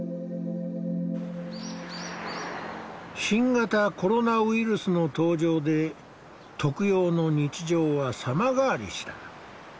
新型コロナウイルスの登場で特養の日常は様変わりした。